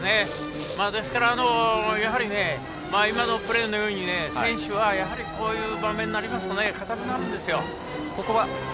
ですから、やはり今のプレーのように選手はこういう場面になりますと硬くなるんですよ。